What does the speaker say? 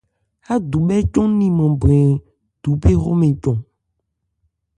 Ádubhɛ́ cɔn 'liman brɛn duphe hromɛn cɔn.